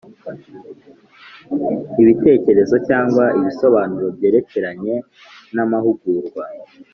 ibitekerezo cyangwa ibisobanuro byerekeranye n amahugurwa